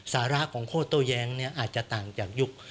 สาระของข้อโต้แย้งอาจจะต่างจากยุค